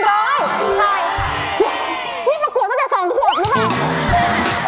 เฮียพี่ประกวดตั้งแต่แสงขวดมั้ยค่ะ